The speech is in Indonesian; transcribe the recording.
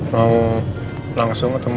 mau langsung ketemu mama